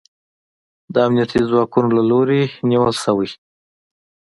د امنیتي ځواکونو له لوري نیول شوی